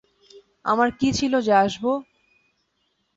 আমার কী ছিল যে আসব?